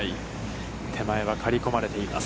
手前は刈り込まれています。